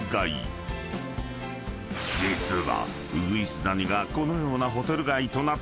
［実は］